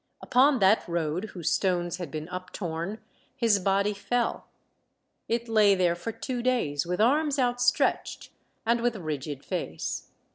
Upon that road whose stones had been uptorn, his body fell. It lay there for two days, with arms out stretched, and with rigid face.